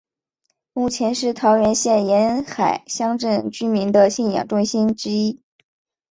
目前是桃园县沿海乡镇居民的信仰中心之一。